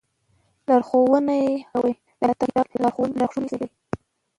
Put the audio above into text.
لارښوونه ئې كوي، د الله دا كتاب ئې لارښود شي